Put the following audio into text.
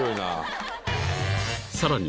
［さらに］